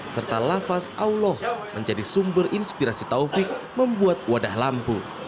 serta lafaz allah menjadi sumber inspirasi taufik membuat wadah lampu